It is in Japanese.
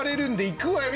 いくわよ。